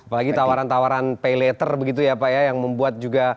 apalagi tawaran tawaran pay later begitu ya pak ya yang membuat juga